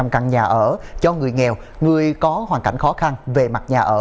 một trăm linh căn nhà ở cho người nghèo người có hoàn cảnh khó khăn về mặt nhà ở